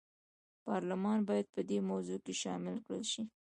پارلمان باید په دې موضوع کې شامل کړل شي.